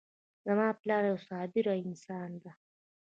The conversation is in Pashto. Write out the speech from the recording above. زما پلار یو صابر انسان ده